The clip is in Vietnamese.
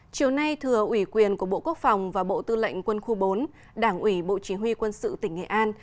chiều nay thừa ủy quyền của bộ quốc phòng và bộ tư lệnh quân khu bốn đảng ủy bộ chỉ huy quân sự tỉnh nghệ an